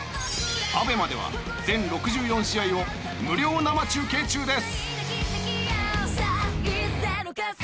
ＡＢＥＭＡでは全６４試合を無料生中継中です。